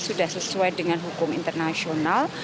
sudah sesuai dengan hukum internasional